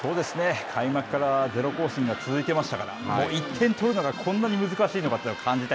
開幕からゼロ行進が続いていましたから、１点取るのが、こんなに難しいのかというのを感じた